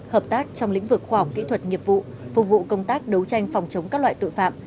hợp tác trong lĩnh vực khoa học kỹ thuật nghiệp vụ phục vụ công tác đấu tranh phòng chống các loại tội phạm